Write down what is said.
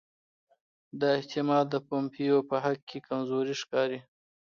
دا احتمال د پومپیو په حق کې کمزوری ښکاري.